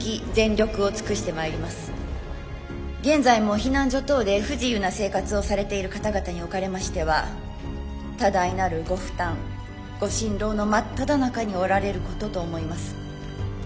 現在も避難所等で不自由な生活をされている方々におかれましては多大なるご負担ご心労の真っただ中におられることと思います。